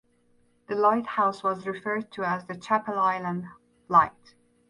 The lighthouse was referred to as the Chapel Island Light.